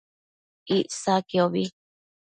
Icsaquiobi